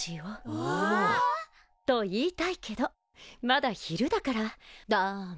うわ！と言いたいけどまだ昼だからダメ。